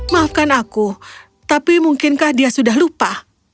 maafkan aku tapi mungkinkah dia sudah lupa